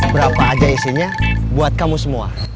berapa aja isinya buat kamu semua